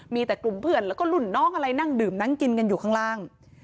มีแต่กลุ่มเพื่อนแล้วก็รุ่นน้องอะไรนั่งดื่มนั่งกินกันอยู่ข้างล่าง